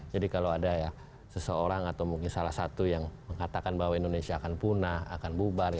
jadi kalau ada seseorang atau mungkin salah satu yang mengatakan bahwa indonesia akan punah akan bubar